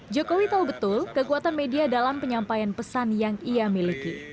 jokowi tahu betul kekuatan media dalam penyampaian pesan yang ia miliki